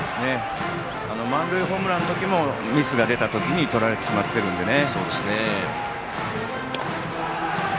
満塁ホームランの時もミスが出た時に取られてしまっているのでね。